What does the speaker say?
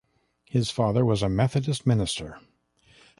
His father was a Methodist minister.